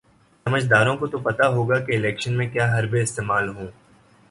سمجھداروں کو تو پتا ہوگا کہ الیکشن میں کیا حربے استعمال ہوں۔